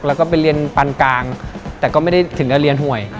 แล้วก็ไปเรียนปันกลางแต่ก็ไม่ได้ถึงจะเรียนหวย